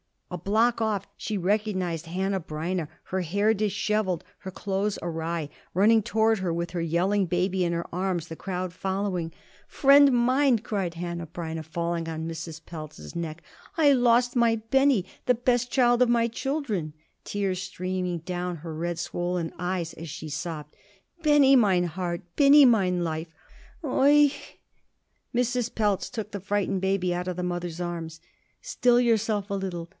A block off she recognized Hanneh Breineh, her hair disheveled, her clothes awry, running toward her with her yelling baby in her arms, the crowd following. "Friend mine," cried Hanneh Breineh, falling on Mrs. Pelz's neck, "I lost my Benny, the best child of all my children." Tears streamed down her red, swollen eyes as she sobbed. "Benny! mine heart, mine life! Oi i!" Mrs. Pelz took the frightened baby out of the mother's arms. "Still yourself a little!